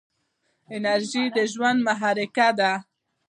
انرژي د ژوند محرک دی.